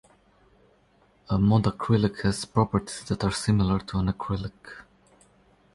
A modacrylic has properties that are similar to an acrylic.